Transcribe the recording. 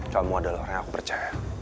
kamu adalah orang yang aku percaya